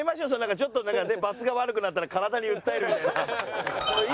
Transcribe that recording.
ちょっとばつが悪くなったら体に訴えるみたいな。